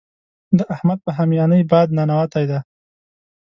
د احمد په هميانۍ باد ننوتی دی.